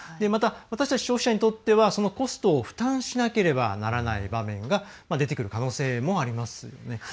また、私たち消費者にとってはそのコストを負担しなければならない場面が出てくる可能性もありますよね。